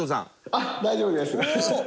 あっ大丈夫です。